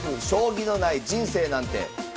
将棋のない人生なんて！」。